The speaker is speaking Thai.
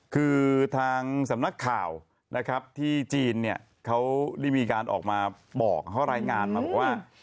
คือทางสำนักข่าวนะครับที่จีนเนี่ยเขาได้มีการออกมาบอกเขารายงานมาบอกว่า